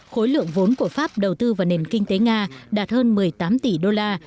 khối lượng vốn của pháp đầu tư vào nền kinh tế nga đạt hơn một mươi tám tỷ đô la